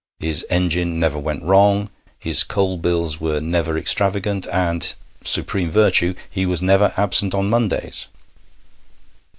His engine never went wrong, his coal bills were never extravagant, and (supreme virtue!) he was never absent on Mondays.